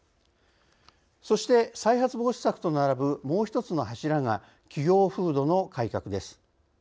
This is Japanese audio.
そして再発防止策と並ぶもう１つの柱が企業風土の改革です。